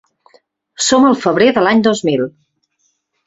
Som al febrer de l'any dos mil.